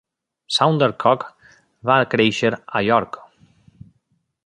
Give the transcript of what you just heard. Saundercook va créixer a York.